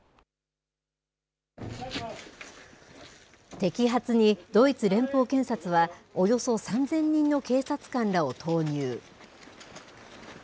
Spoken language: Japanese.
摘発にドイツ連邦検察は、およそ３０００人の警察官らを投入。